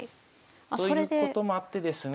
ということもあってですね